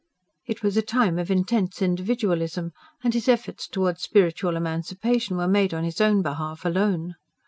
It was a time of intense individualism; and his efforts towards spiritual emancipation were made on his own behalf alone.